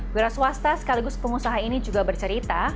wira swasta sekaligus pengusaha ini juga bercerita